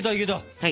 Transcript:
はい。